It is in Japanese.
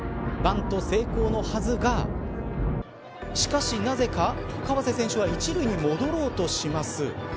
バント成功のはずがしかし、なぜか川瀬選手は１塁に戻ろうとします。